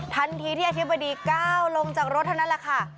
ทันทีที่อธิบดีก้าวลงจากรถเท่านั้นแหละค่ะ